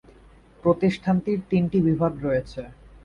প্রতিষ্ঠানটির তিনটি বিভাগ রয়েছে।